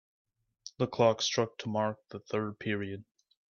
The clock struck to mark the third period.